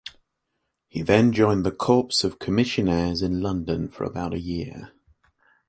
He then joined the Corps of Commissionaires in London for about a year.